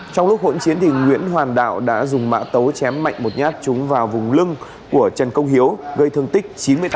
trong lúc hỗn chiến nguyễn hoàn đạo đã dùng mã tấu chém mạnh một nhát trúng vào vùng lưng của trần công hiếu gây thương tích chín mươi tám